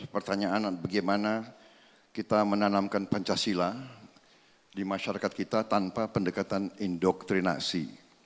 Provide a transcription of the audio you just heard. pertanyaan bagaimana kita menanamkan pancasila di masyarakat kita tanpa pendekatan indoktrinasi